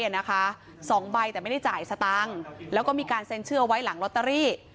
นะคะสองใบแต่ไม่ได้จ่ายสตังค์แล้วก็มีการเซ็นเชื่อไว้หลังลอตเตอรี่